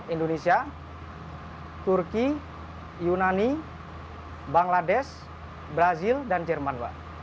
indonesia turki yunani bangladesh brazil dan jerman